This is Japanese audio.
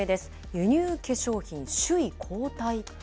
輸入化粧品首位交代？